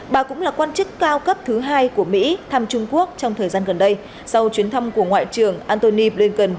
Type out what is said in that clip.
bà cũng là quan chức cao cấp thứ hai của mỹ thăm trung quốc trong thời gian gần đây sau chuyến thăm của ngoại trưởng antony blinken